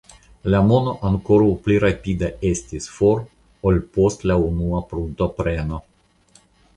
La mono ankoraŭ pli rapide estis for ol post la unua pruntepreno.